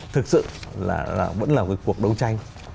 thực sự là vẫn là một cuộc đấu tranh